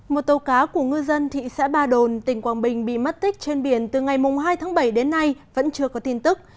một tàu cá của ngư dân thị xã ba đồn tỉnh quảng bình bị mất tích trên biển từ ngày hai tháng bảy đến nay vẫn chưa có tin tức